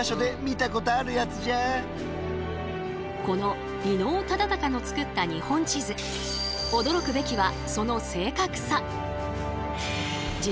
この伊能忠敬の作った日本地図驚くべきはその正確さ。